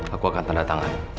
aku akan tanda tangani